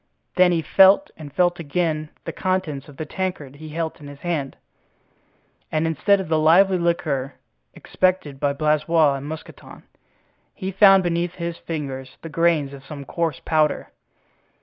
Then he felt and felt again the contents of the tankard he held in his hand; and, instead of the lively liquor expected by Blaisois and Mousqueton, he found beneath his fingers the grains of some coarse powder.